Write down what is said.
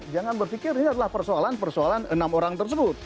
jangan berpikir ini adalah persoalan persoalan enam orang tersebut